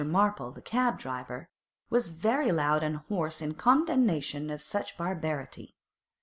Marple, the cab driver, was very loud and very hoarse in condemnation of such barbarity.